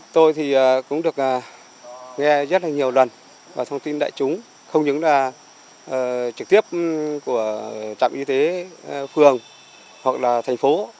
tôi cũng được nghe rất nhiều lần thông tin đại chúng không những là trực tiếp của trạm y tế phường hoặc là thành phố